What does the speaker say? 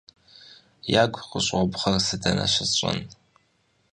- Ягу къыщӀобгъэр сэ дэнэ щысщӀэн?